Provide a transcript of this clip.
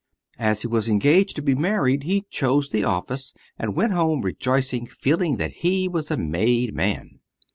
As he was engaged to be married, he chose the office, and went home rejoicing, feeling that he was a made man.